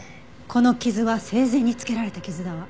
この傷は生前につけられた傷だわ。